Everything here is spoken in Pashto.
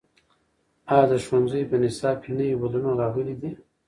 ایا د ښوونځیو په نصاب کې نوي بدلونونه راغلي دي؟